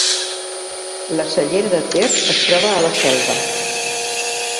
La Cellera de Ter es troba a la Selva